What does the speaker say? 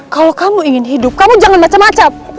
kalau kamu ingin hidup kamu jangan macem macem